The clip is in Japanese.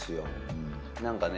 何かね